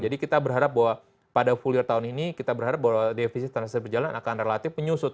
jadi kita berharap bahwa pada full year tahun ini kita berharap bahwa defisit tersebut berjalan akan relatif menyusut